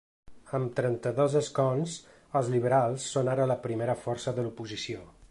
Amb trenta-dos escons, els liberals són ara la primera força de l’oposició.